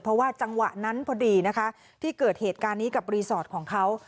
เพราะว่าจังหวะนั้นพอดีนะคะที่เกิดเหตุการณ์นี้กับรีสอร์ทของเขา